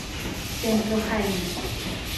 Templo jaina